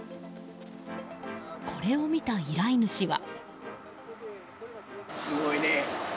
これを見た依頼主は。